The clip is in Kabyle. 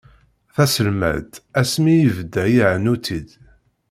Taselmadt asmi i ibda iɛennu-tt-id.